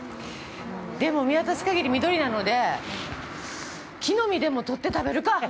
でも、見渡す限り緑なので木の実でも取って食べるか！